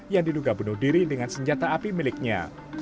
yang diduga bunuh diri dengan senjata api miliknya